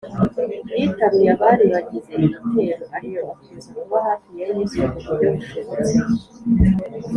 yitaruye abari bagize igitero, ariko akomeza kuba hafi ya yesu ku buryo bushobotse